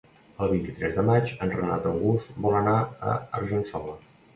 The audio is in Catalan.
El vint-i-tres de maig en Renat August vol anar a Argençola.